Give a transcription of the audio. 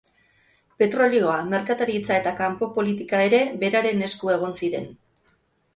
Petrolioa, merkataritza eta kanpo-politika ere beraren esku egon ziren.